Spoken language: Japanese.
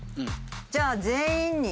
じゃあ全員に。